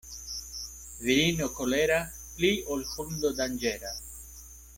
Virino kolera pli ol hundo danĝera.